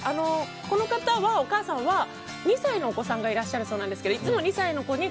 このお母さんは２歳のお子さんがいらっしゃるそうなんですがいつも２歳の子に